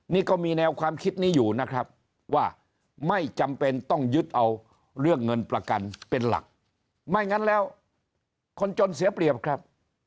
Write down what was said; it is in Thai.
นี่ก็มีแนวความคิดนี้อยู่นะครับว่าไม่จำเป็นต้องยึดเอาเรื่องเงินประกันเป็นหลักไม่งั้นแล้วคนจนเสียเปรียบครับ